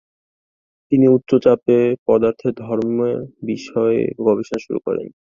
তিনি উচ্চ চাপে পদার্থের ধর্ম বিষয়ে গবেষণা শুরু করেন।